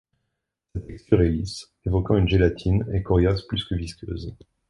Sa texture est lisse, évoquant une gélatine et coriace plus que visqueuse.